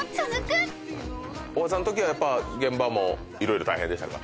大橋さんときはやっぱ現場も色々大変でしたか？